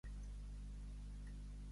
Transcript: Sobre què va parlar Snorri Sturluson?